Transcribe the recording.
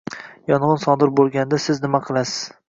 Yong‘in sodir bo‘lganda siz nima qilasiz